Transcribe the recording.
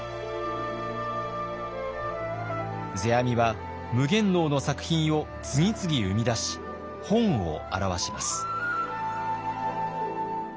世阿弥は夢幻能の作品を次々生み出し本を著します。